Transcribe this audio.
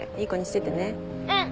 うん！